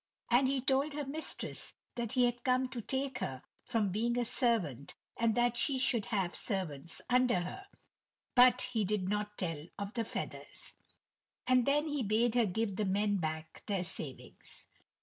And he told her mistress he had come to take her from being a servant, and that she should have servants under her. But he did not tell of the feathers. And then he bade her give the men back their savings.